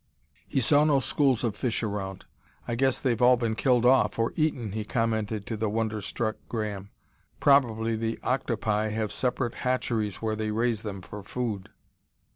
He saw no schools of fish around. "I guess they're been all killed off, or eaten," he commented to the wonder struck Graham. "Probably the octopi have separate hatcheries where they raise them for food."